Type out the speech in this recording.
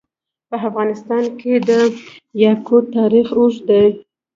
په افغانستان کې د یاقوت تاریخ اوږد دی.